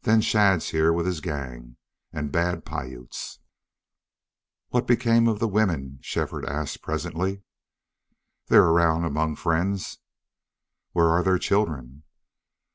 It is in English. Then Shadd's here with his gang. And bad Piutes." "What became of the women?" Shefford asked, 'presently. "They're around among friends." "Where are their children?"